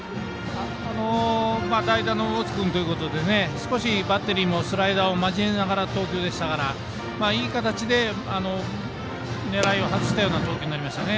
代打の魚津君ということで少しバッテリーもスライダーを交えながらの投球でしたから、いい形で狙いをはずしたような投球になりましたね。